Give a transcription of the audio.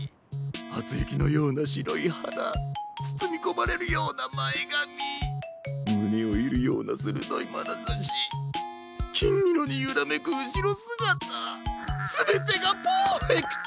はつゆきのようなしろいはだつつみこまれるようなまえがみむねをいるようなするどいまなざしきんいろにゆらめくうしろすがたすべてがパーフェクト！